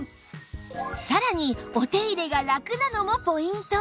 さらにお手入れがラクなのもポイント